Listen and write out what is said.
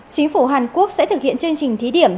chính phủ hàn quốc sẽ thực hiện chương trình thí điểm